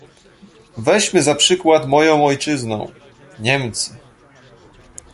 Weźmy za przykład moją ojczyzną, Niemcy